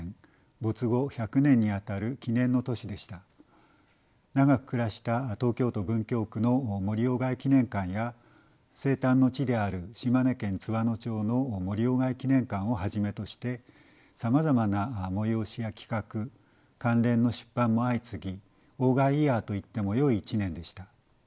没後１００年にあたる記念の年でした長く暮らした東京都文京区の森外記念館や生誕の地である島根県津和野町の森外記念館をはじめとしてさまざまな催しや企画関連の出版も相次ぎ外イヤーといってもよい１年でした。